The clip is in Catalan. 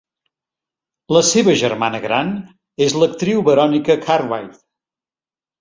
La seva germana gran és l'actriu Veronica Cartwright.